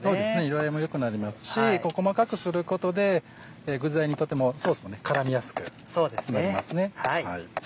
色合いも良くなりますし細かくすることで具材にとってもソースも絡みやすくなります。